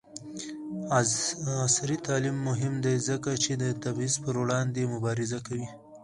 عصري تعلیم مهم دی ځکه چې د تبعیض پر وړاندې مبارزه کوي.